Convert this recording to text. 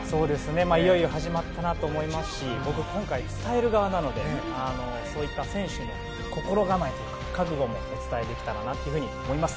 いよいよ始まったなと思いますし僕、今回、伝える側なのでそういった選手の心構えというか覚悟もお伝えできたらなと思います。